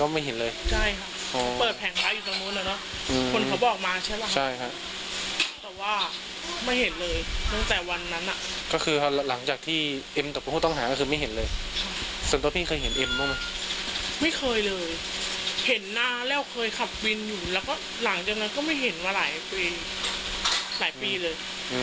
ไม่เคยเลยเห็นหน้าแล้วเคยขับบินอยู่แล้วก็หลังจากนั้นก็ไม่เห็นมาหลายปีหลายปีเลย